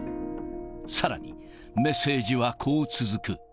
さらに、メッセージはこう続く。